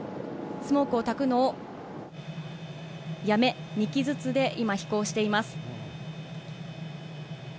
スモークをたくのをやめ、２機ずつで今、飛行しています。